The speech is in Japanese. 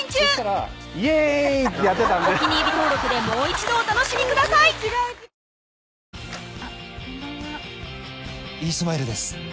お気に入り登録でもう一度お楽しみくださいドーン！